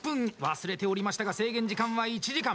忘れておりましたが制限時間は１時間。